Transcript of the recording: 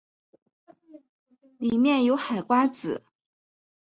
里面有海瓜子